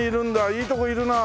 いいとこいるな。